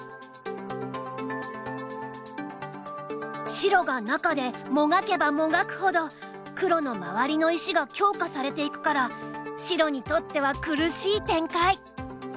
白が中でもがけばもがくほど黒の周りの石が強化されていくから白にとっては苦しい展開。